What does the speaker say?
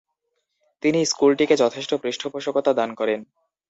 তিনি স্কুলটিকে যথেষ্ট পৃষ্ঠপোষকতা দান করেন।